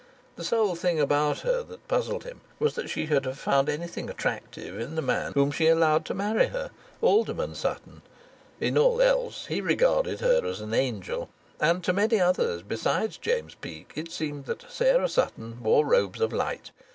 The sole thing about her that puzzled him was that she should have found anything attractive in the man whom she allowed to marry her Alderman Sutton. In all else he regarded her as an angel. And to many another, besides James Peake, it seemed that Sarah Sutton wore robes of light.